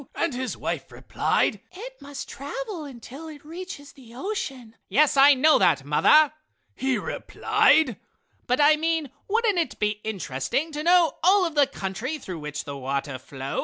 And his wife replied: "It must travel until it reaches the ocean!" "Yes, I know that, mother" he replied, "but I mean, wouldn't it be interesting to know all of the country through which the water flows?"